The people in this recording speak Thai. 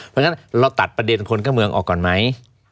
เพราะฉะนั้นเราตัดประเด็นคนเข้าเมืองออกก่อนไหม